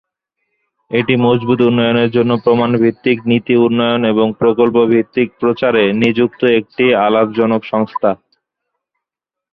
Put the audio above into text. এটি মজবুত উন্নয়নের জন্য প্রমাণ ভিত্তিক নীতি উন্নয়ন এবং প্রকল্প ভিত্তিক প্রচারে নিযুক্ত একটি অলাভজনক সংস্থা।